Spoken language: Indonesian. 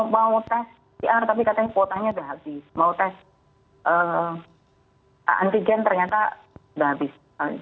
mau tes pcr tapi katanya kuotanya sudah habis mau tes antigen ternyata sudah habis